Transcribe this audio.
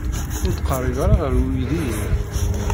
Ur ttqerrib ara ɣer uydi-inna.